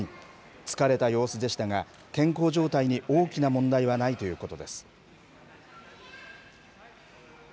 疲れた様子でしたが、健康状態に大きな問題はないということです。